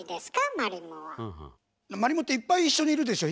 マリモっていっぱい一緒にいるでしょ